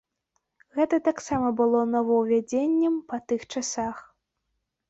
Гэта таксама было новаўвядзеннем па тых часах.